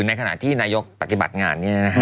ในขณะที่นายกปฏิบัติงานนี่นะฮะ